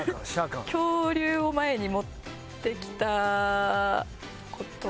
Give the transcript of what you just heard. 恐竜を前に持ってきた事に。